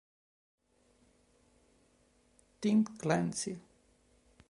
Tim Clancy